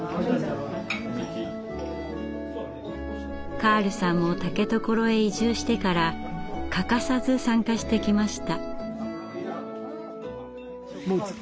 カールさんも竹所へ移住してから欠かさず参加してきました。